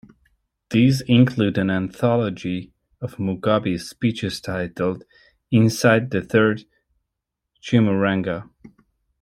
These include an anthology of Mugabe's speeches titled "Inside the Third Chimurenga".